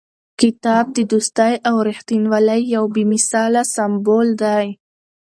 کتاب د دوستۍ او رښتینولۍ یو بې مثاله سمبول دی.